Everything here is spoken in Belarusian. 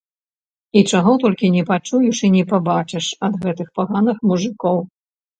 І чаго толькі не пачуеш і не пабачыш ад гэтых паганых мужыкоў!